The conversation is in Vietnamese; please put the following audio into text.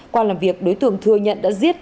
qua làm việc đối tượng thừa nhận đã giết